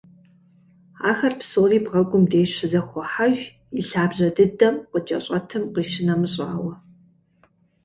Ахэр псори бгъэгум деж щызэхохьэж, и лъабжьэ дыдэм къыкӏэщӏэтым къищынэмыщӏауэ.